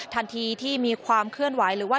ทันทีที่มีความเคลื่อนไหวหรือว่า